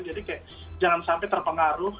kayak jangan sampai terpengaruh